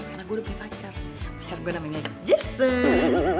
karena gue udah punya pacar pacar gue namanya jason